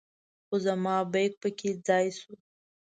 خو زما بیک په کې ځای شو.